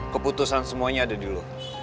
keputusan semuanya ada di lo